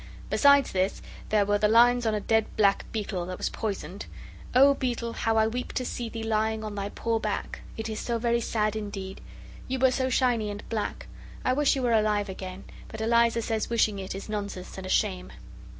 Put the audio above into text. Besides this there were the 'Lines on a Dead Black Beetle that was poisoned' O Beetle how I weep to see Thee lying on thy poor back! It is so very sad indeed. You were so shiny and black. I wish you were alive again But Eliza says wishing it is nonsense and a shame.